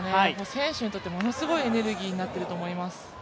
選手にとってものすごいエネルギーになっていると思います。